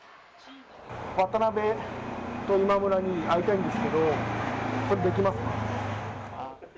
渡辺と今村に会いたいんですけど、できますか？